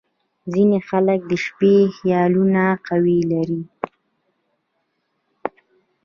• ځینې خلک د شپې خیالونه قوي لري.